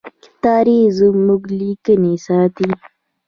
تاریخ زموږ لیکنې ساتي.